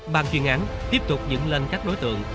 bàn chuyên án tiếp tục dựng lên các đối tượng